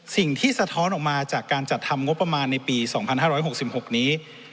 สะท้อนออกมาจากการจัดทำงบประมาณในปี๒๕๖๖นี้